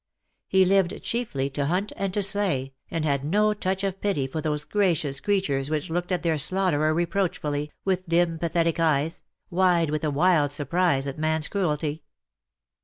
He lived chiefly to hunt and to slay, and had no touch of pity for those gracious creatures which looked at their slaughterer reproachfully, with dim pathetic eyes — wide with a wild surprise at man's cruelty.